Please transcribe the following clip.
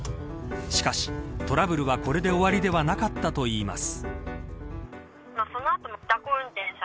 しかし、トラブルはこれで終わりではなかったといいます。